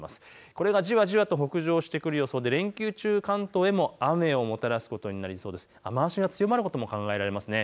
これがじわじわと北上してくる予想で連休中、関東へも雨をもたらす、雨足が強まることも考えられます。